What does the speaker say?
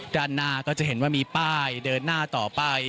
ด้านหน้าก็จะเห็นว่ามีป้ายเดินหน้าต่อไป